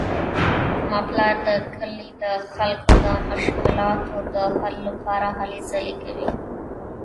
زما پلار د کلي د خلکو د مشکلاتو د حل لپاره هلې کوي